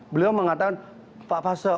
beliau mengatakan pak faso